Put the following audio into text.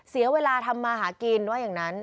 เสียเวลาทำมาหากินว่าอย่างนั้น